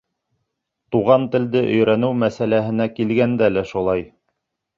Туған телде өйрәнеү мәсьәләһенә килгәндә лә шулай.